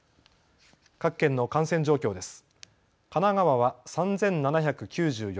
各県の感染状況です。